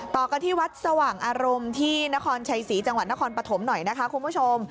ต่อกันที่วัดสว่างอารมณ์ที่นครชัยศรีจังหวัดนครปฐมหน่อยนะคะคุณผู้ชม